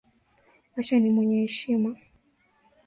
Asha ni mwenye heshima.